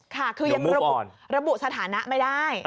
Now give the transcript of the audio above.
ค่ะคือยังระบุสถานะไม่ได้